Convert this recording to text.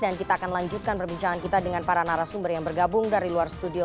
dan kita akan lanjutkan perbincangan kita dengan para narasumber yang bergabung dari luar studio